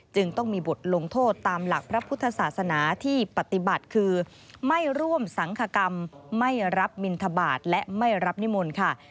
จึงต้องมีบทลงโทษตามหลักพระพุทธศาสนาที่ปฏิบัติคือไม่ร่วมสังคกรรมไม่รับบินทบาทและไม่รับนิมนต์ค่ะ